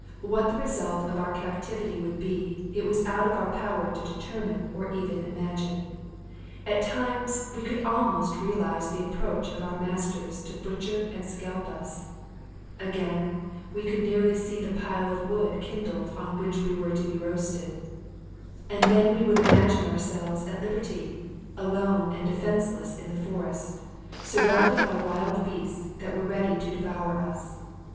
What the result of our captivity would be, it was out of our power to determine or even imagine. At times we could almost realize the approach of our masters to butcher and scalp us; again we could nearly see the pile of wood kindled on which we were to be roasted; and then we would imagine ourselves at liberty; alone and defenceless in the forest, surrounded by wild beasts that were ready to devour us.